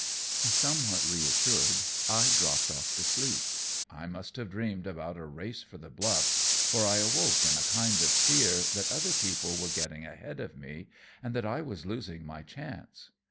Somewhat reassured, I dropped off to sleep. I must have dreamed about a race for the Bluff, for I awoke in a kind of fear that other people were getting ahead of me and that I was losing my chance.